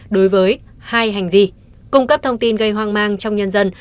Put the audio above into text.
đối với hai hành vi cung cấp thông tin gây hoang mang trong nhân dân